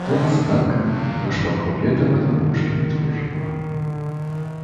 "Na ten znak wyszła kobieta, która mu drzwi otworzyła."